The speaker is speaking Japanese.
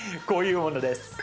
こういうものです。